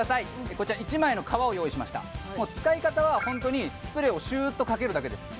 こちら１枚の革を用意しました使い方はホントにスプレーをシューッとかけるだけです